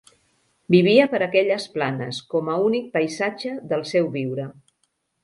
Vivia per aquelles planes, com a únic paisatge del seu viure